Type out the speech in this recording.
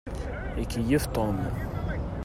Ikeyyef Tom.